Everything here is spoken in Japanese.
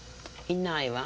いないわ。